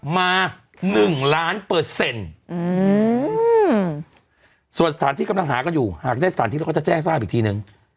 มา๑ล้านเปอร์เซ็นต์ส่วนสถานที่กำลังหากันอยู่หากได้สถานที่แล้วก็จะแจ้งทราบอีกทีนึง